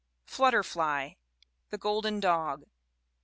Flutterfly. The Golden Dog.